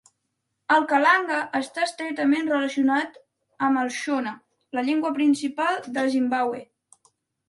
El kalanga està estretament relacionat amb el shona, la llengua principal del Zimbabwe.